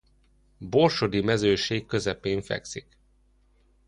Borsodi Mezőség közepén fekszik.